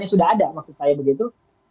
sudah ada maksud saya begitu